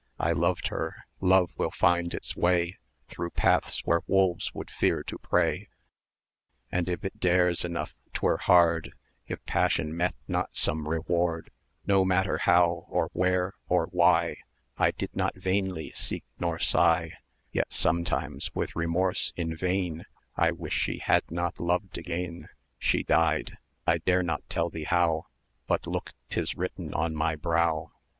I loved her Love will find its way Through paths where wolves would fear to prey; And if it dares enough,'twere hard 1050 If Passion met not some reward No matter how, or where, or why, I did not vainly seek, nor sigh: Yet sometimes, with remorse, in vain I wish she had not loved again. She died I dare not tell thee how; But look 'tis written on my brow!